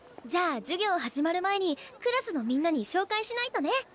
じゃあ授業始まる前にクラスのみんなに紹介しないとね。